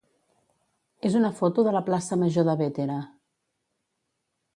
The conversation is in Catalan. és una foto de la plaça major de Bétera.